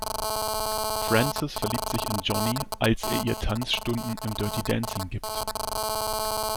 Frances verliebt sich in Johnny, als er ihr Tanzstunden im "Dirty Dancing" gibt.